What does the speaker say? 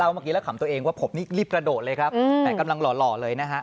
มากแล้วก็เรียกว่าพบนี่ก็รีบกระโดดเลยแฟนกำลังหล่อเลยนะฮะ